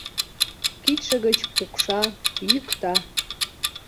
Кидше гыч пукша, йӱкта.